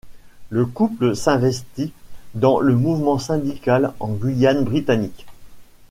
Le couple s'investit dans le mouvement syndical en Guyane britannique.